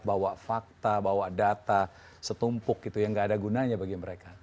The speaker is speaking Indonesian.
bawa fakta bawa data setumpuk gitu ya nggak ada gunanya bagi mereka